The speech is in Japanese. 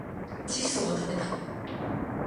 窒素をたべた